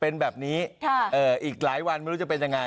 เป็นแบบนี้อีกหลายวันไม่รู้จะเป็นยังไง